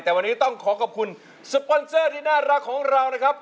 แต่วันนี้ต้องขอขอบคุณสปอนเซอร์ที่น่ารักของเรานะครับ